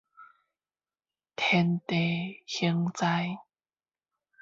天地行災